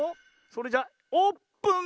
それじゃオープン！